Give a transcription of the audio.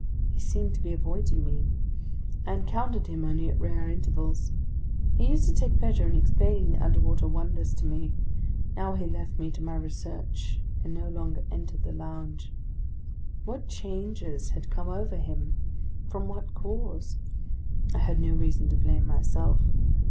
He seemed to be avoiding me. I encountered him only at rare intervals. He used to take pleasure in explaining the underwater wonders to me; now he left me to my research and no longer entered the lounge. What changes had come over him? From what cause? I had no reason to blame myself.